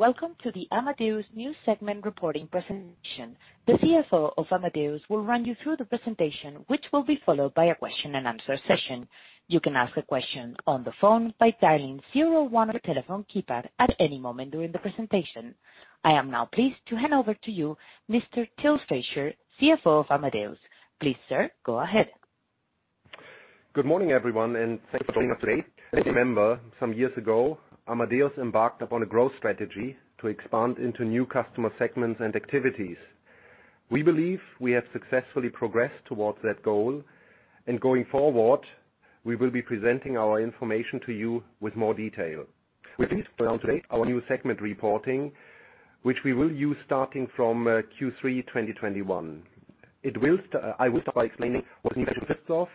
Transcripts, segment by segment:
Welcome to the Amadeus New segment reporting presentation. The CFO of Amadeus will run you through the presentation, which will be followed by a question-and-answer session. You can ask a question on the phone by dialing zero one or the telephone keypad at any moment during the presentation. I am now pleased to hand over to you, Mr. Till Streichert, CFO of Amadeus. Please, sir, go ahead. Good morning, everyone, and thanks for joining us today. As you remember, some years ago, Amadeus embarked upon a growth strategy to expand into new customer segments and activities. We believe we have successfully progressed towards that goal, and going forward, we will be presenting our information to you with more detail. We're pleased to present today our new segment reporting, which we will use starting from Q3 2021. I will start by explaining what new measures exist,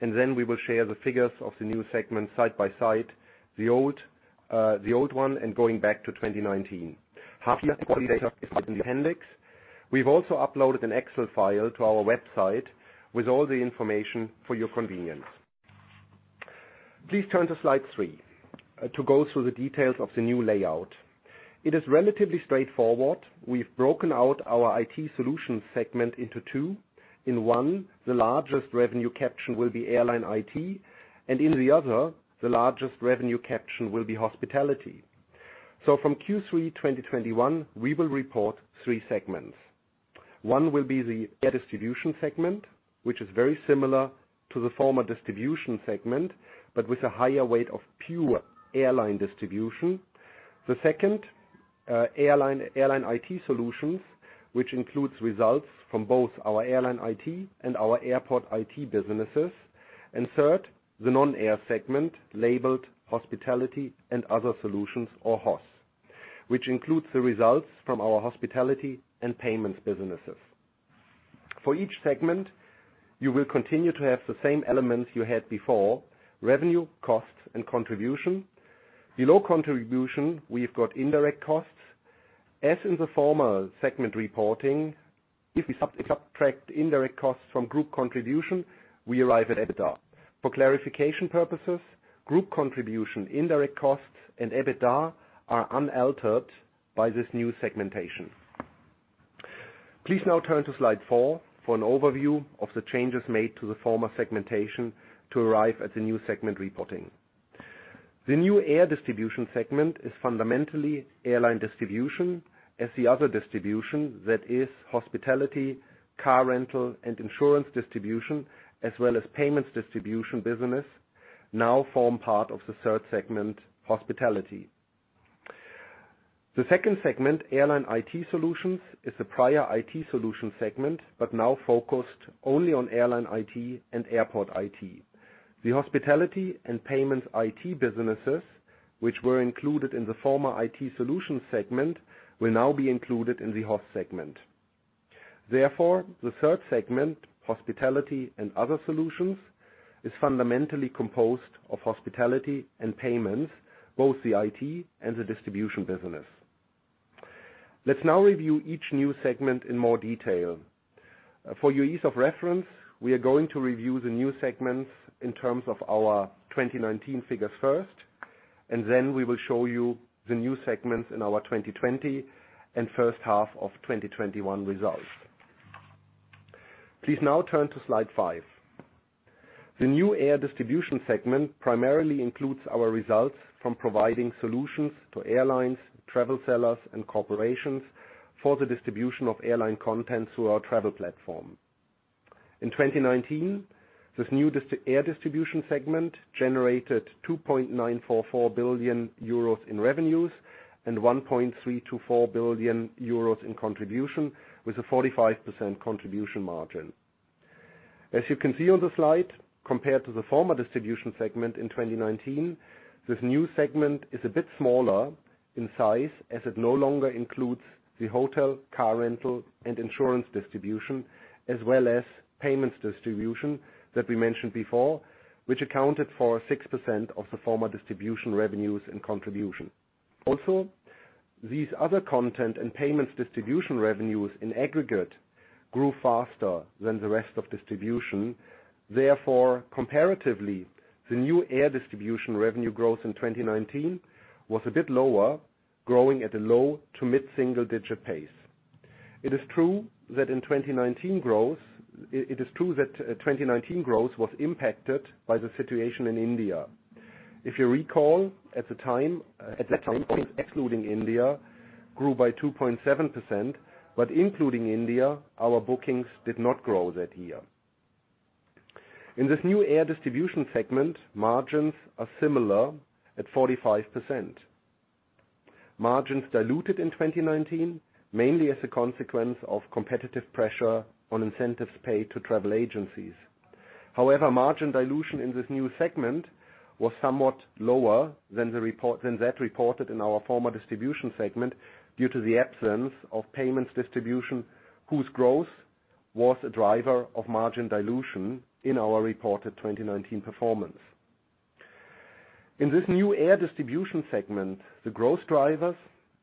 and then we will share the figures of the new segments side by side, the old one and going back to 2019. Half-year quality data is in the appendix. We've also uploaded an Excel file to our website with all the information for your convenience. Please turn to slide three to go through the details of the new layout. It is relatively straightforward. We've broken out our IT solutions segment into two. In one, the largest revenue caption will be Airline IT, and in the other, the largest revenue caption will be hospitality. From Q3 2021, we will report three segments. One will be the Air Distribution segment, which is very similar to the former distribution segment but with a higher weight of pure airline distribution. The second, Airline IT solutions, which includes results from both our Airline IT and our Airport IT businesses. Third, the non-air segment labeled Hospitality and Other Solutions, or HOS, which includes the results from our hospitality and payments businesses. For each segment, you will continue to have the same elements you had before: revenue, cost, and contribution. Below contribution, we've got indirect costs. As in the former segment reporting, if we subtract indirect costs from group contribution, we arrive at EBITDA. For clarification purposes, group contribution, indirect costs, and EBITDA are unaltered by this new segmentation. Please now turn to slide four for an overview of the changes made to the former segmentation to arrive at the new segment reporting. The new Air Distribution segment is fundamentally airline distribution, as the other distribution that is hospitality, car rental, and insurance distribution, as well as payments distribution business, now form part of the third segment, hospitality. The second segment, Airline IT Solutions, is the prior IT solution segment but now focused only on Airline IT and Airport IT. The hospitality and payments IT businesses, which were included in the former IT solution segment, will now be included in the HOS segment. Therefore, the third segment, Hospitality and Other Solutions, is fundamentally composed of hospitality and payments, both the IT and the distribution business. Let's now review each new segment in more detail. For your ease of reference, we are going to review the new segments in terms of our 2019 figures first, and then we will show you the new segments in our 2020 and first half of 2021 results. Please now turn to slide five. The new Air Distribution segment primarily includes our results from providing solutions to airlines, travel sellers, and corporations for the distribution of airline content through our travel platform. In 2019, this new Air Distribution segment generated 2.944 billion euros in revenues and 1.324 billion euros in contribution, with a 45% contribution margin. As you can see on the slide, compared to the former distribution segment in 2019, this new segment is a bit smaller in size as it no longer includes the hotel, car rental, and insurance distribution, as well as payments distribution that we mentioned before, which accounted for 6% of the former distribution revenues and contribution. Also, these other content and payments distribution revenues in aggregate grew faster than the rest of distribution. Therefore, comparatively, the new air distribution revenue growth in 2019 was a bit lower, growing at a low to mid-single-digit pace. It is true that in 2019 growth was impacted by the situation in India. If you recall, at that time, excluding India, grew by 2.7%, but including India, our bookings did not grow that year. In this new air distribution segment, margins are similar at 45%. Margins diluted in 2019, mainly as a consequence of competitive pressure on incentives paid to travel agencies. However, margin dilution in this new segment was somewhat lower than that reported in our former distribution segment due to the absence of payments distribution, whose growth was a driver of margin dilution in our reported 2019 performance. In this new air distribution segment, the growth drivers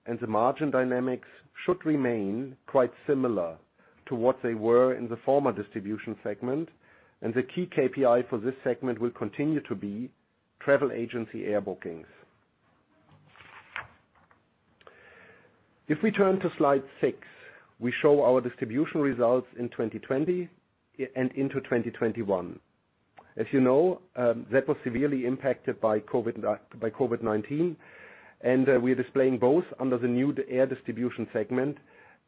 and the margin dynamics should remain quite similar to what they were in the former distribution segment, and the key KPI for this segment will continue to be travel agency air bookings. If we turn to slide six, we show our distribution results in 2020 and into 2021. As you know, that was severely impacted by COVID-19, and we are displaying both under the new air distribution segment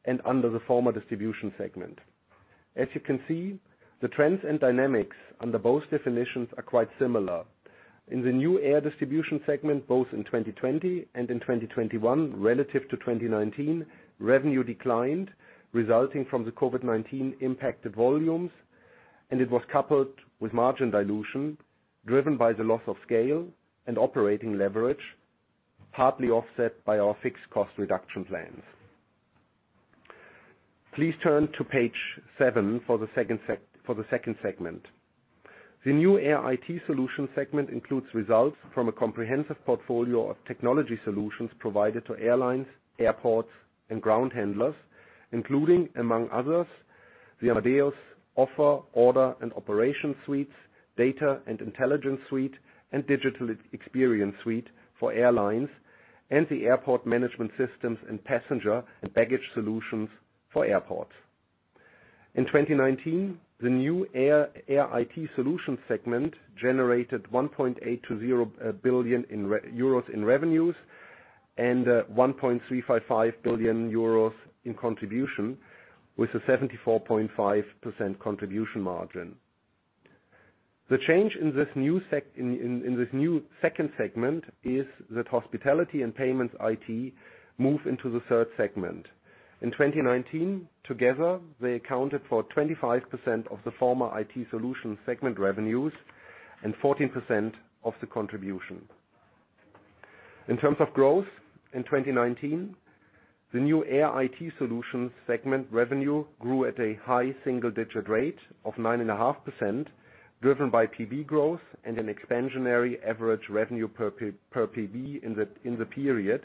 and under the former distribution segment. As you can see, the trends and dynamics under both definitions are quite similar. In the new Air Distribution segment, both in 2020 and in 2021, relative to 2019, revenue declined, resulting from the COVID-19 impacted volumes, and it was coupled with margin dilution driven by the loss of scale and operating leverage, partly offset by our fixed cost reduction plans. Please turn to page seven for the second segment. The new Air IT Solutions segment includes results from a comprehensive portfolio of technology solutions provided to airlines, airports, and ground handlers, including, among others, the Amadeus Offer, Order, and Operation suites, Data and Intelligence suite, and Digital Experience suite for airlines, and the Airport Management Systems and Passenger and Baggage Solutions for airports. In 2019, the new Air IT Solutions segment generated 1.820 billion euros in revenues and 1.355 billion euros in contribution, with a 74.5% contribution margin. The change in this new second segment is that hospitality and payments IT move into the third segment. In 2019, together, they accounted for 25% of the former IT solution segment revenues and 14% of the contribution. In terms of growth, in 2019, the new Air IT solution segment revenue grew at a high single-digit rate of 9.5%, driven by PV growth and an expansionary average revenue per PV in the period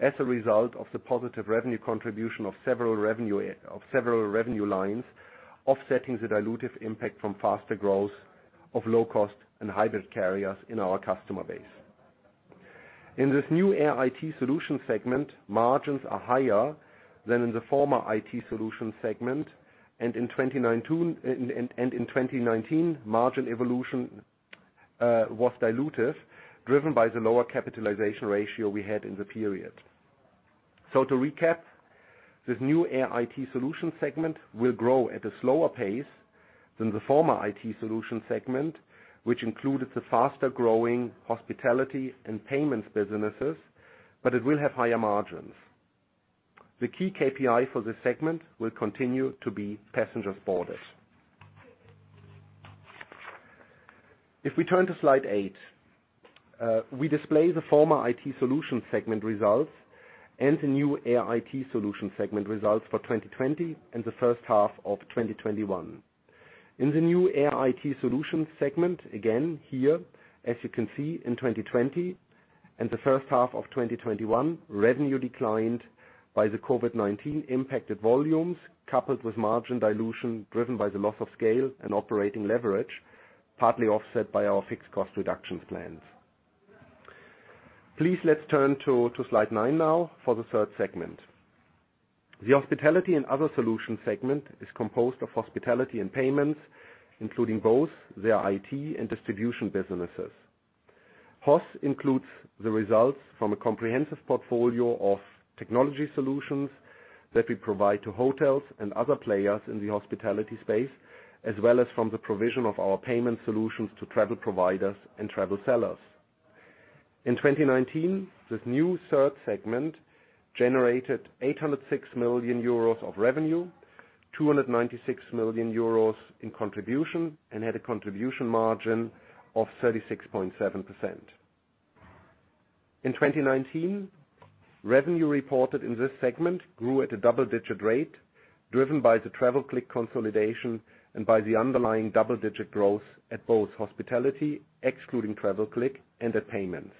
as a result of the positive revenue contribution of several revenue lines, offsetting the dilutive impact from faster growth of low-cost and hybrid carriers in our customer base. In this new Air IT solution segment, margins are higher than in the former IT solution segment, and in 2019, margin evolution was dilutive, driven by the lower capitalization ratio we had in the period. To recap, this new air IT solution segment will grow at a slower pace than the former IT solution segment, which included the faster-growing hospitality and payments businesses, but it will have higher margins. The key KPI for this segment will continue to be passengers boarded. If we turn to slide eight, we display the former IT solution segment results and the new air IT solution segment results for 2020 and the first half of 2021. In the new air IT solution segment, again, here, as you can see, in 2020 and the first half of 2021, revenue declined by the COVID-19 impacted volumes, coupled with margin dilution driven by the loss of scale and operating leverage, partly offset by our fixed cost reduction plans. Please, let's turn to slide nine now for the third segment. The Hospitality and Other Solutions segment is composed of hospitality and payments, including both their IT and distribution businesses. HOS includes the results from a comprehensive portfolio of technology solutions that we provide to hotels and other players in the hospitality space, as well as from the provision of our payment solutions to travel providers and travel sellers. In 2019, this new third segment generated 806 million euros of revenue, 296 million euros in contribution, and had a contribution margin of 36.7%. In 2019, revenue reported in this segment grew at a double-digit rate, driven by the TravelClick consolidation and by the underlying double-digit growth at both hospitality, excluding TravelClick, and at payments.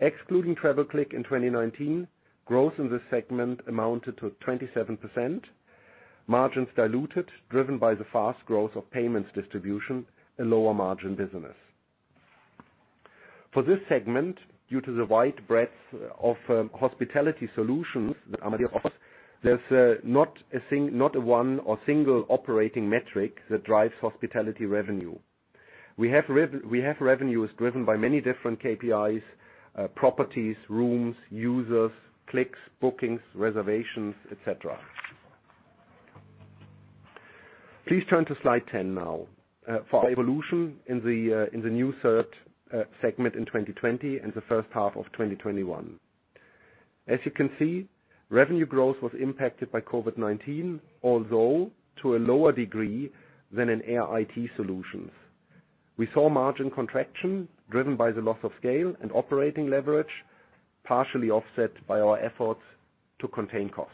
Excluding TravelClick in 2019, growth in this segment amounted to 27%. Margins diluted, driven by the fast growth of payments distribution, a lower margin business. For this segment, due to the wide breadth of hospitality solutions that Amadeus offers, there's not a one or single operating metric that drives hospitality revenue. We have revenues driven by many different KPIs: properties, rooms, users, clicks, bookings, reservations, etc. Please turn to slide 10 now for evolution in the new third segment in 2020 and the first half of 2021. As you can see, revenue growth was impacted by COVID-19, although to a lower degree than in Air IT solutions. We saw margin contraction driven by the loss of scale and operating leverage, partially offset by our efforts to contain cost.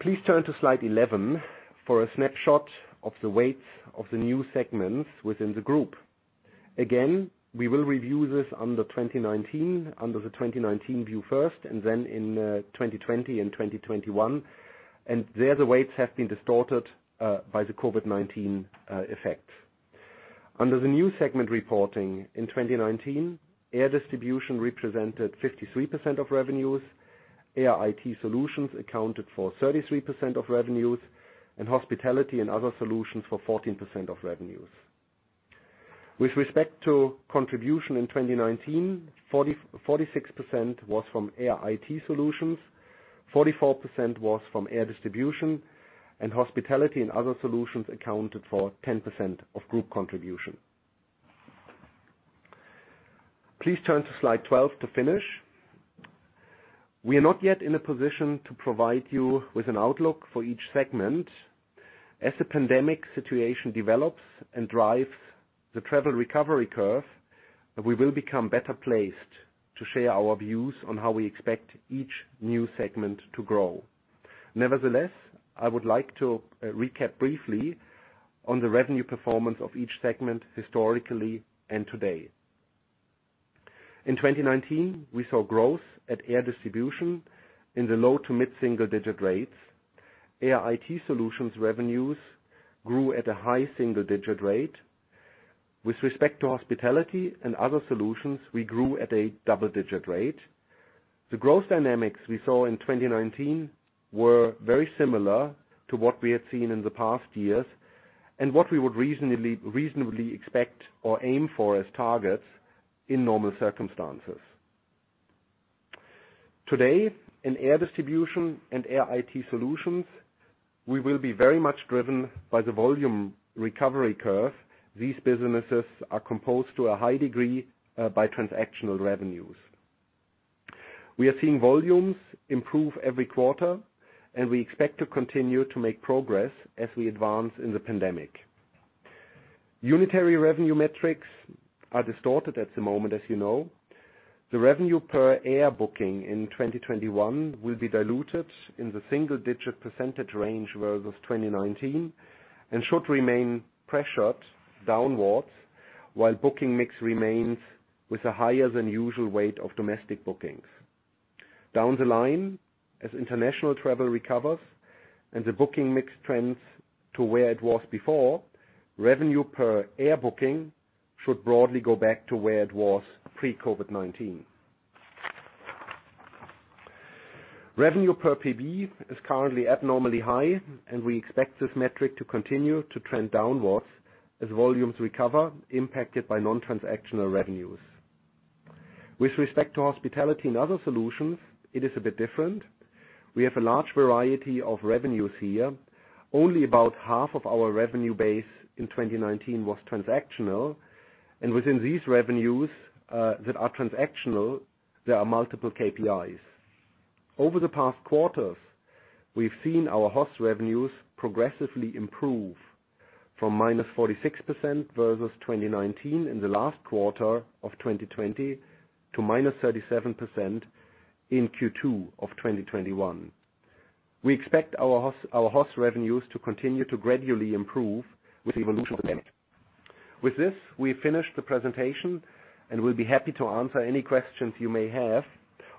Please turn to slide 11 for a snapshot of the weights of the new segments within the group. Again, we will review this under 2019, under the 2019 view first, and then in 2020 and 2021, and there the weights have been distorted by the COVID-19 effect. Under the new segment reporting in 2019, Air Distribution represented 53% of revenues, Air IT Solutions accounted for 33% of revenues, and Hospitality and Other Solutions for 14% of revenues. With respect to contribution in 2019, 46% was from Air IT Solutions, 44% was from Air Distribution, and Hospitality and Other Solutions accounted for 10% of group contribution. Please turn to slide 12 to finish. We are not yet in a position to provide you with an outlook for each segment. As the pandemic situation develops and drives the travel recovery curve, we will become better placed to share our views on how we expect each new segment to grow. Nevertheless, I would like to recap briefly on the revenue performance of each segment historically and today. In 2019, we saw growth at Air Distribution in the low to mid-single-digit rates. Air IT solutions revenues grew at a high single-digit rate. With respect to Hospitality and Other Solutions, we grew at a double-digit rate. The growth dynamics we saw in 2019 were very similar to what we had seen in the past years and what we would reasonably expect or aim for as targets in normal circumstances. Today, in Air Distribution and Air IT Solutions, we will be very much driven by the volume recovery curve. These businesses are composed to a high degree by transactional revenues. We are seeing volumes improve every quarter, and we expect to continue to make progress as we advance in the pandemic. Unitary revenue metrics are distorted at the moment, as you know. The revenue per air booking in 2021 will be diluted in the single-digit % range versus 2019 and should remain pressured downwards while booking mix remains with a higher than usual weight of domestic bookings. Down the line, as international travel recovers and the booking mix trends to where it was before, revenue per air booking should broadly go back to where it was pre-COVID-19. Revenue per PV is currently abnormally high, and we expect this metric to continue to trend downwards as volumes recover, impacted by non-transactional revenues. With respect to Hospitality and Other Solutions, it is a bit different. We have a large variety of revenues here. Only about half of our revenue base in 2019 was transactional, and within these revenues that are transactional, there are multiple KPIs. Over the past quarters, we've seen our HOS revenues progressively improve from minus 46% versus 2019 in the last quarter of 2020 to minus 37% in Q2 of 2021. We expect our HOS revenues to continue to gradually improve with the evolution of the pandemic. With this, we finish the presentation, and we'll be happy to answer any questions you may have,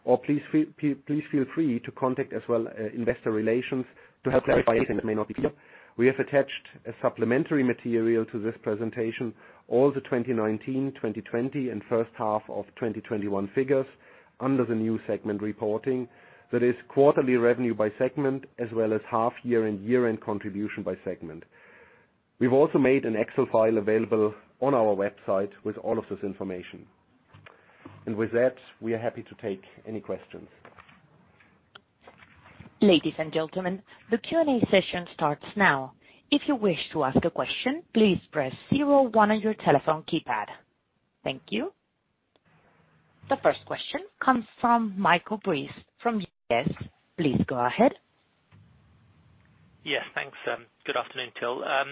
or please feel free to contact as well investor relations to help clarify anything that may not be clear. We have attached a supplementary material to this presentation, all the 2019, 2020, and first half of 2021 figures under the new segment reporting. That is quarterly revenue by segment as well as half-year and year-end contribution by segment. We've also made an Excel file available on our website with all of this information. With that, we are happy to take any questions. Ladies and gentlemen, the Q&A session starts now. If you wish to ask a question, please press zero one on your telephone keypad. Thank you. The first question comes from Michael Ruiz from UBS. Please go ahead. Yes, thanks. Good afternoon, Till. A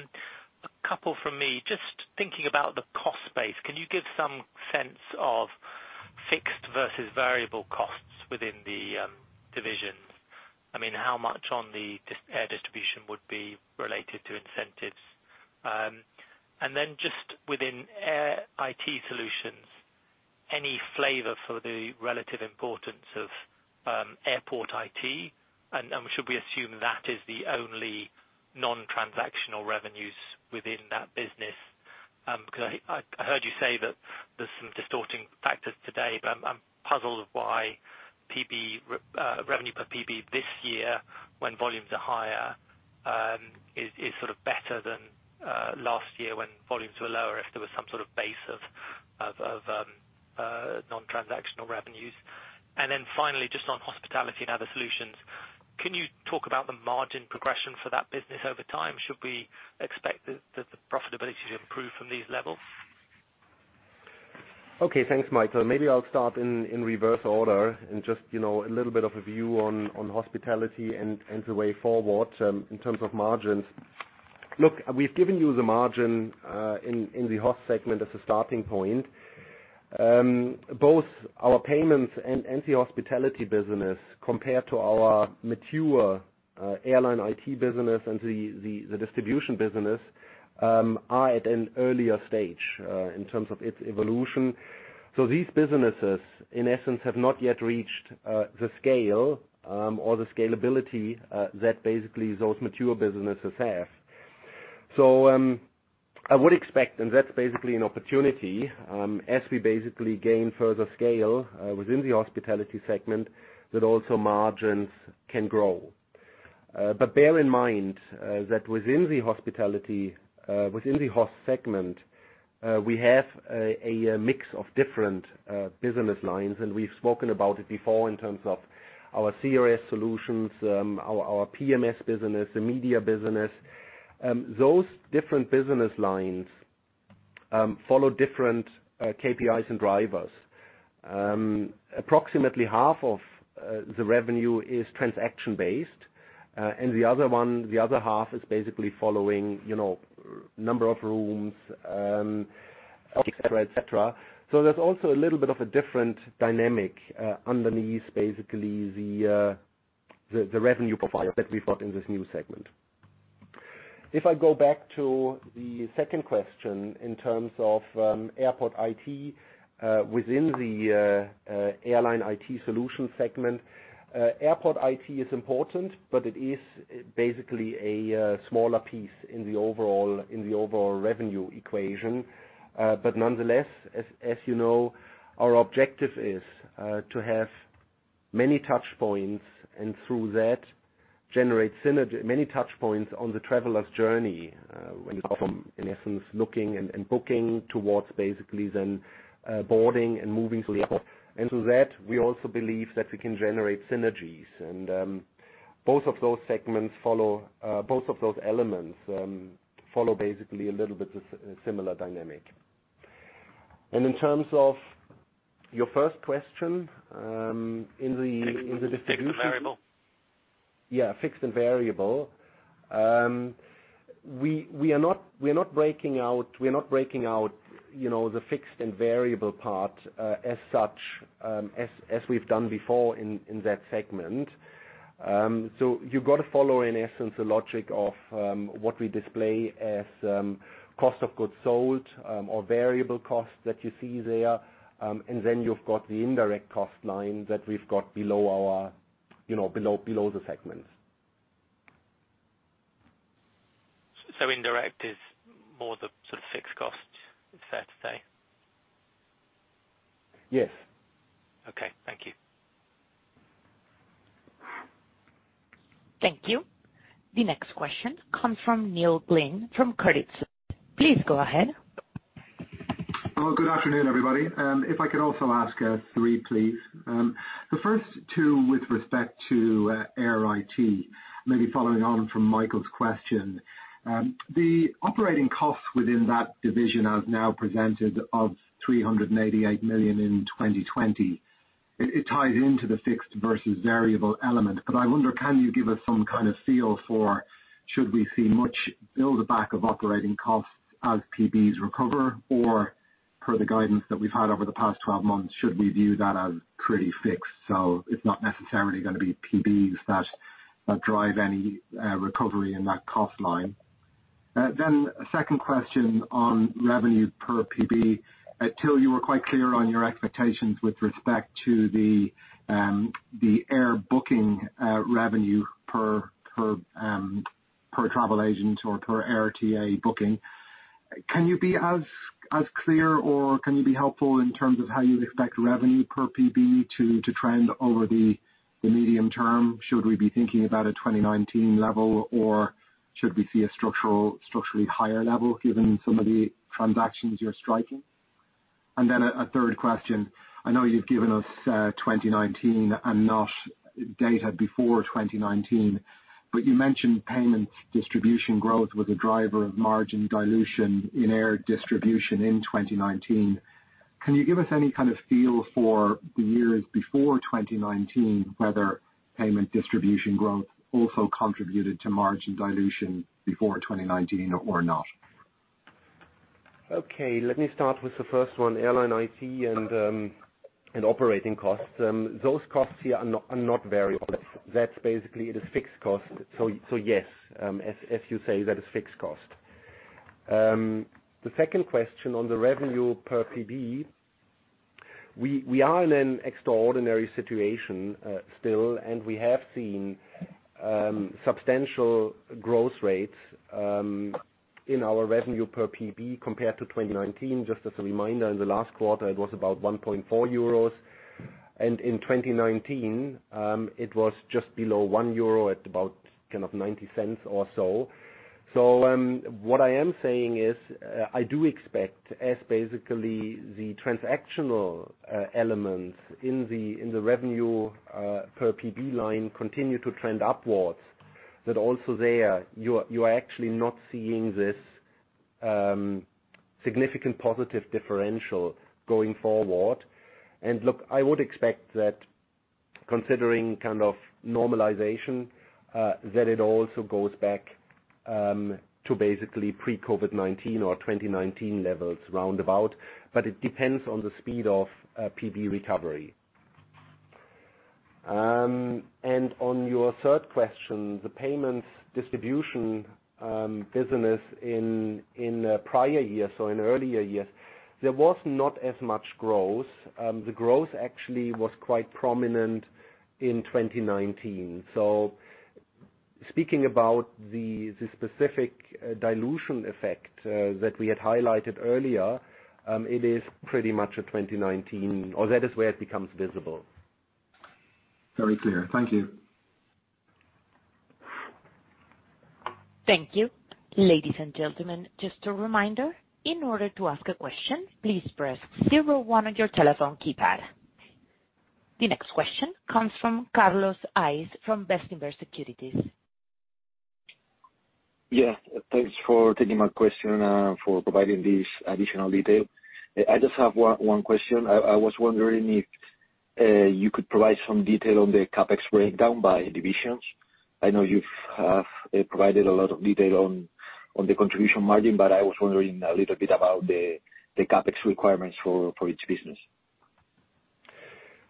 couple from me. Just thinking about the cost space, can you give some sense of fixed versus variable costs within the division? I mean, how much on the Air Distribution would be related to incentives? And then just within Airline IT Solutions, any flavor for the relative importance of airport IT? And should we assume that is the only non-transactional revenues within that business? Because I heard you say that there's some distorting factors today, but I'm puzzled why revenue per PV this year, when volumes are higher, is sort of better than last year when volumes were lower if there was some sort of base of non-transactional revenues. Finally, just on Hospitality and Other Solutions, can you talk about the margin progression for that business over time? Should we expect the profitability to improve from these levels? Okay, thanks, Michael. Maybe I'll start in reverse order and just a little bit of a view on hospitality and the way forward in terms of margins. Look, we've given you the margin in the HOS segment as a starting point. Both our payments and the hospitality business compared to our mature Airline IT business and the Distribution business are at an earlier stage in terms of its evolution. These businesses, in essence, have not yet reached the scale or the scalability that basically those mature businesses have. I would expect, and that's basically an opportunity, as we basically gain further scale within the hospitality segment, that also margins can grow. Bear in mind that within the hospitality, within the HOS segment, we have a mix of different business lines, and we've spoken about it before in terms of our CRS solutions, our PMS business, the media business. Those different business lines follow different KPIs and drivers. Approximately half of the revenue is transaction-based, and the other half is basically following number of rooms, etc., etc. There's also a little bit of a different dynamic underneath basically the revenue profile that we've got in this new segment. If I go back to the second question in terms of Airport IT within the Airline IT solution segment, Airport IT is important, but it is basically a smaller piece in the overall revenue equation. Nonetheless, as you know, our objective is to have many touchpoints and through that generate synergy, many touchpoints on the traveler's journey when it's from, in essence, looking and booking towards basically then boarding and moving to the airport. Through that, we also believe that we can generate synergies. Both of those segments follow, both of those elements follow basically a little bit similar dynamic. In terms of your first question in the distribution. Fixed and variable. Yeah, fixed and variable. We are not breaking out, we're not breaking out the fixed and variable part as such as we've done before in that segment. You have got to follow, in essence, the logic of what we display as cost of goods sold or variable costs that you see there, and then you have got the indirect cost line that we have got below the segments. Indirect is more the sort of fixed costs, fair to say? Yes. Okay, thank you. Thank you. The next question comes from Neil Glynn from Credit Suisse. Please go ahead. Good afternoon, everybody. If I could also ask three, please. The first two with respect to Air IT, maybe following on from Michael's question. The operating costs within that division as now presented of 388 million in 2020, it ties into the fixed versus variable element, but I wonder, can you give us some kind of feel for should we see much build-back of operating costs as PVs recover or per the guidance that we've had over the past 12 months, should we view that as pretty fixed? It's not necessarily going to be PVs that drive any recovery in that cost line. A second question on revenue per PV. Till, you were quite clear on your expectations with respect to the air booking revenue per travel agent or per air TA booking. Can you be as clear or can you be helpful in terms of how you expect revenue per PV to trend over the medium term? Should we be thinking about a 2019 level or should we see a structurally higher level given some of the transactions you're striking? And then a third question. I know you've given us 2019 and not data before 2019, but you mentioned payments distribution growth was a driver of margin dilution in Air Distribution in 2019. Can you give us any kind of feel for the years before 2019, whether payment distribution growth also contributed to margin dilution before 2019 or not? Okay, let me start with the first one, Airline IT and Operating Costs. Those costs here are not variable. That's basically a fixed cost. Yes, as you say, that is fixed cost. The second question on the revenue per PV, we are in an extraordinary situation still, and we have seen substantial growth rates in our revenue per PV compared to 2019. Just as a reminder, in the last quarter, it was about 1.4 euros, and in 2019, it was just below 1 euro at about kind of 0.90 or so. What I am saying is I do expect, as basically the transactional elements in the revenue per PV line continue to trend upwards, that also there you are actually not seeing this significant positive differential going forward. I would expect that considering kind of normalization, that it also goes back to basically pre-COVID-19 or 2019 levels roundabout, but it depends on the speed of PV recovery. On your third question, the payments distribution business in prior years, in earlier years, there was not as much growth. The growth actually was quite prominent in 2019. Speaking about the specific dilution effect that we had highlighted earlier, it is pretty much a 2019, or that is where it becomes visible. Very clear. Thank you. Thank you. Ladies and gentlemen, just a reminder, in order to ask a question, please press zero one on your telephone keypad. The next question comes from Carlos Ice from Best Invest Securities. Yeah, thanks for taking my question and for providing this additional detail. I just have one question. I was wondering if you could provide some detail on the CapEx breakdown by divisions. I know you've provided a lot of detail on the contribution margin, but I was wondering a little bit about the CapEx requirements for each business.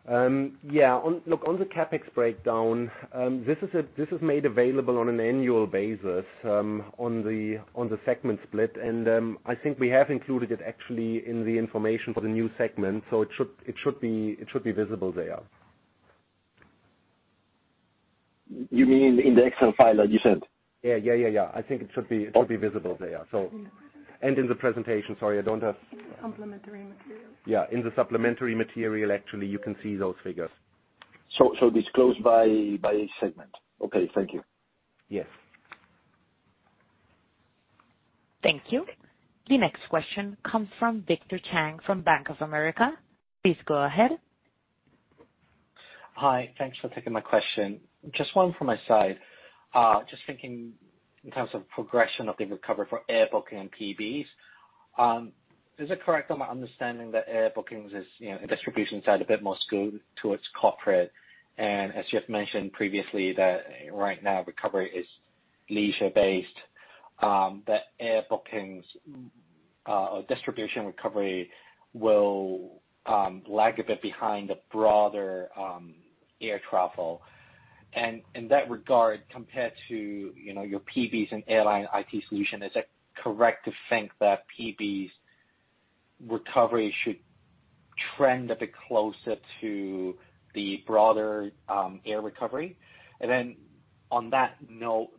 Yeah, look, on the CapEx breakdown, this is made available on an annual basis on the segment split, and I think we have included it actually in the information for the new segment, so it should be visible there. You mean in the Excel file that you sent? Yeah, yeah, yeah, yeah. I think it should be visible there. And in the presentation. Sorry, I don't have. In the supplementary material. Yeah, in the supplementary material, actually, you can see those figures. So disclosed by segment. Okay, thank you. Yes. Thank you. The next question comes from Victor Chang from Bank of America. Please go ahead. Hi, thanks for taking my question. Just one from my side. Just thinking in terms of progression of the recovery for air booking and PVs, is it correct on my understanding that air bookings is, on the distribution side, a bit more skewed towards corporate? As you've mentioned previously, right now recovery is leisure-based, that air bookings or distribution recovery will lag a bit behind the broader air travel. In that regard, compared to your PVs and Airline IT solution, is it correct to think that PVs recovery should trend a bit closer to the broader air recovery? On that note,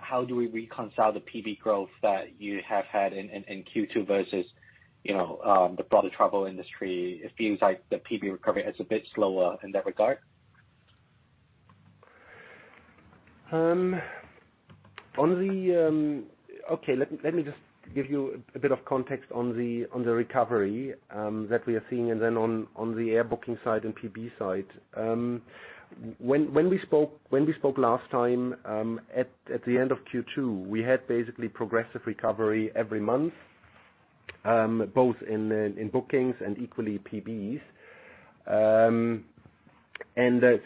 how do we reconcile the PV growth that you have had in Q2 versus the broader travel industry? It feels like the PV recovery is a bit slower in that regard. Okay, let me just give you a bit of context on the recovery that we are seeing and then on the air booking side and PV side. When we spoke last time at the end of Q2, we had basically progressive recovery every month, both in bookings and equally PVs.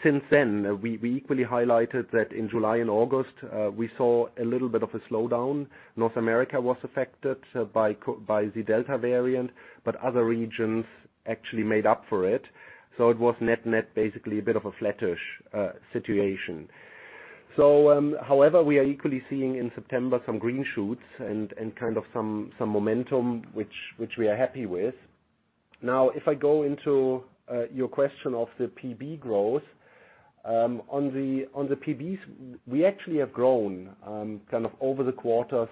Since then, we equally highlighted that in July and August, we saw a little bit of a slowdown. North America was affected by the Delta variant, but other regions actually made up for it. It was net, net basically a bit of a flattish situation. However, we are equally seeing in September some green shoots and kind of some momentum, which we are happy with. Now, if I go into your question of the PV growth, on the PVs, we actually have grown kind of over the quarters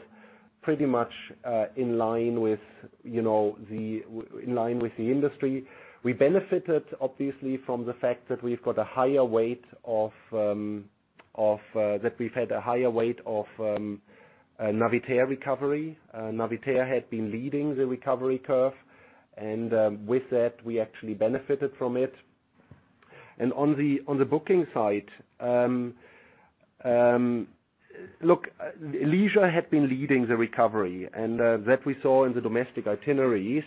pretty much in line with the industry. We benefited, obviously, from the fact that we've got a higher weight of, that we've had a higher weight of Navitaire recovery. Navitaire had been leading the recovery curve, and with that, we actually benefited from it. On the booking side, look, leisure had been leading the recovery, and that we saw in the domestic itineraries,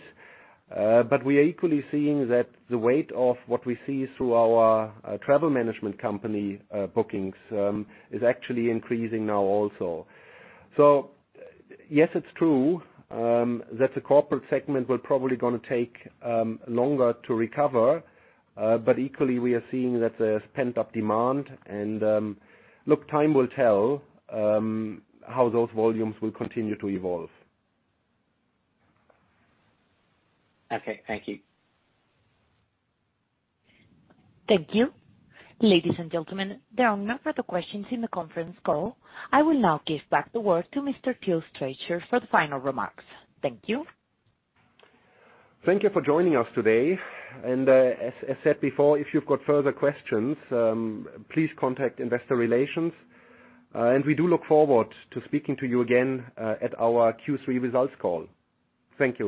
but we are equally seeing that the weight of what we see through our travel management company bookings is actually increasing now also. Yes, it's true that the corporate segment will probably take longer to recover, but equally, we are seeing that there's pent-up demand. Time will tell how those volumes will continue to evolve. Okay, thank you. Thank you. Ladies and gentlemen, there are no further questions in the conference call. I will now give back the word to Mr. Till Streichert for the final remarks. Thank you. Thank you for joining us today. As I said before, if you've got further questions, please contact Investor Relations. We do look forward to speaking to you again at our Q3 results call. Thank you.